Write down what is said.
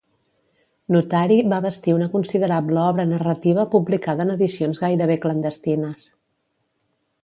Notari, va bastir una considerable obra narrativa publicada en edicions gairebé clandestines.